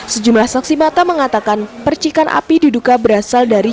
sejumlah saksi mata mengatakan percikan api diduga berasal dari